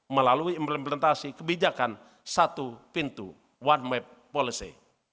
melalui implementasi kebijakan satu pintu one map policy